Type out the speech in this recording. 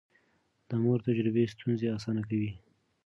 د مور تجربه ستونزې اسانه کوي.